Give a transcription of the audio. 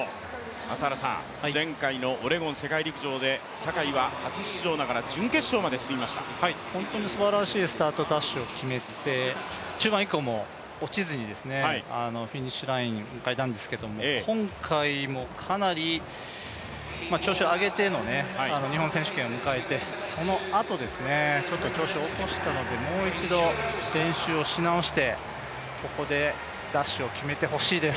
朝原さん、前回のオレゴン世界陸上で坂井は初出場ながら本当にすばらしいスタートダッシュを決めて、中盤以降も落ちずにフィニッシュラインを迎えたんですが、今回もかなり調子を上げての日本選手権を迎えて、そのあと、ちょっと調子を落としたのでもう一度練習をし直してここでダッシュを決めてほしいです。